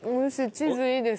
チーズいいです。